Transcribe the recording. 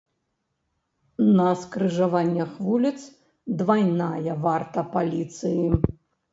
На скрыжаваннях вуліц двайная варта паліцыі.